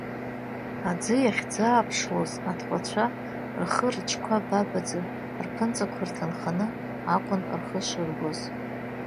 Аӡы иахьӡааԥшылоз атҟәацәа рхы-рҿқәа бабаӡа, рԥынҵақәа рҭынханы акәын рхы шырбоз.